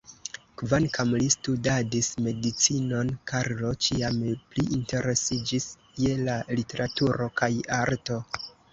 Kvankam li studadis medicinon, Karlo ĉiam pli interesiĝis je la literaturo kaj arto.